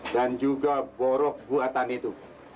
dan juga borok buatan itu